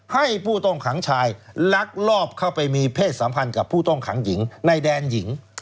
ให้ผู้ต้องขังชายลักลอบเข้าไปมีเพศสัมพันธ์กับผู้ต้องขังหญิงในแดนหญิง